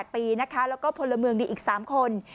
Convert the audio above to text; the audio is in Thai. ๘ปีนะคะแล้วก็พลเมืองดีอีก๓คน